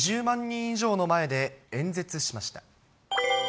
２０万人以上の前で、演説しました。